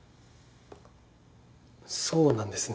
そうなんですね。